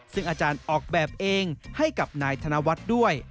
ซึ่งอาจารย์ออกแบบเองให้กับนายธนวัฒน์ด้วย